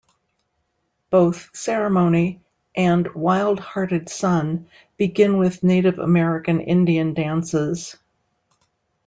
Both "Ceremony" and "Wild Hearted Son" begin with Native American Indian dances.